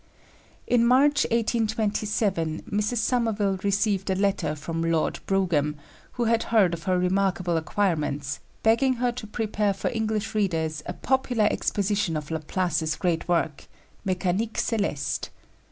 " In March, 1827, Mrs. Somerville received a letter from Lord Brougham, who had heard of her remarkable acquirements, begging her to prepare for English readers a popular exposition of Laplace's great work Mécanique Céleste.